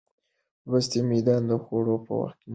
لوستې میندې د خوړو وخت منظم ساتي.